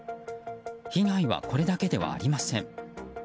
被害はこれだけではありません。